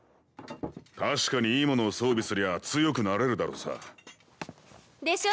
確かにいい物を装備すりゃ強くなれるだろうさ。でしょう？